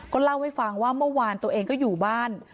เล่าให้ฟังว่าเมื่อวานตัวเองก็อยู่บ้าน